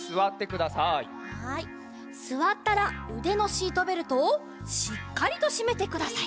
すわったらうでのシートベルトをしっかりとしめてください。